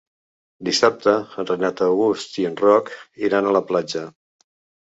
Dissabte en Renat August i en Roc iran a la platja.